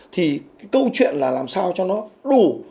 thì câu chuyện là làm sao cho nó đủ